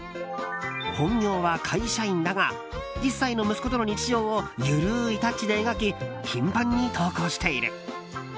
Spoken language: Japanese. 本業は会社員だが１歳の息子との日常を緩いタッチで描き頻繁に投稿している。